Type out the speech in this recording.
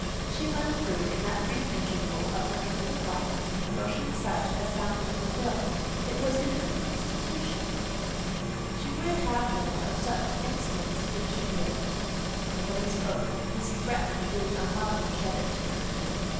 She went through, in that brief interval of her infant life, emotions such as some never feel; it was in her constitution: she would have more of such instants if she lived. Nobody spoke. Mrs. Bretton, being a mother, shed a tear or two.